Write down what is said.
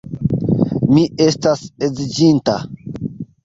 Mi estas edziĝinta.